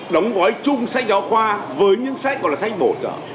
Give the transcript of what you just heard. đóng gói chung sách giáo khoa với những sách gọi là sách bổ trợ